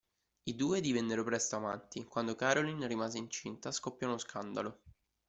I due divennero presto amanti: quando Caroline rimase incinta scoppiò uno scandalo.